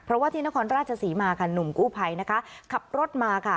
เพราะว่าที่นครราชศรีมาค่ะหนุ่มกู้ภัยนะคะขับรถมาค่ะ